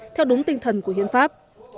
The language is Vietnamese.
theo đúng tinh thần của hiến pháp